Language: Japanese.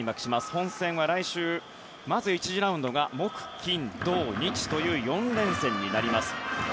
本戦は来週まず１次ラウンドが木、金、土、日という４連戦になります。